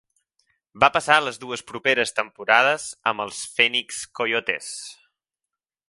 Va passar les dues properes temporades amb els Phoenix Coyotes.